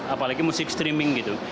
apalagi musik streaming gitu